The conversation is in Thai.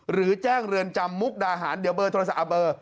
หรือแจ้งเรือนจำมุกดาหารเดี๋ยวเบอร์โทรศัพท์เบอร์